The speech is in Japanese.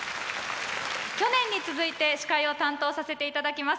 去年に続いて司会を担当させて頂きます